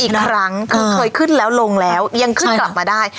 อีกครั้งคือเคยขึ้นแล้วลงแล้วยังขึ้นกลับมาได้